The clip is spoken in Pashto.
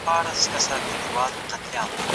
تخت ورته جوړ سي، سړی کښیني لکه سیوری غلی